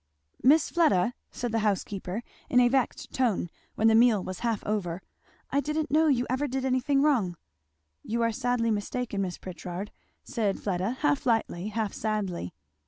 "Miss Fleda," said the housekeeper in a vexed tone when the meal was half over, "I didn't know you ever did any thing wrong." "You are sadly mistaken, Mrs. Pritchard," said Fleda half lightly, half sadly.